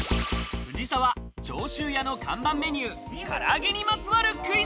藤沢・上州屋の看板メニュー、唐揚げにまつわるクイズ。